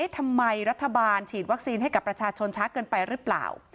ทำไมรัฐบาลฉีดวัคซีนให้กับประชาชนช้าเกินไปหรือเปล่า